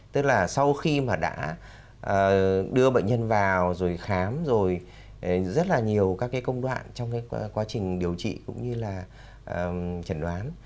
tức là sau khi mà đã đưa bệnh nhân vào rồi khám rồi rất là nhiều các cái công đoạn trong cái quá trình điều trị cũng như là chẩn đoán